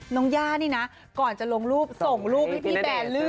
ย่านี่นะก่อนจะลงรูปส่งรูปให้พี่แบนเลือก